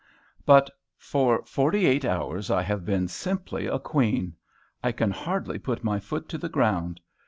But, for forty eight hours, I have been simply a queen. I can hardly put my foot to the ground.